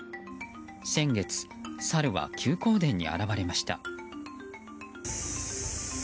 先月、サルは休耕田に現れました。